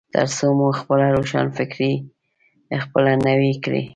ترڅو مو خپله روښانفکري خپله نه وي کړي.